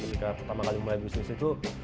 ketika pertama kali mulai bisnis itu